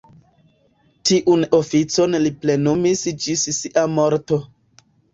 Tiun oficon li plenumis ĝis sia morto.